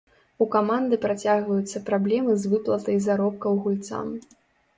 У каманды працягваюцца праблемы з выплатай заробкаў гульцам.